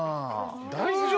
大丈夫？